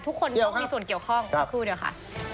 ทุกคนเขามีส่วนเกี่ยวข้องสักครู่เดี๋ยวค่ะ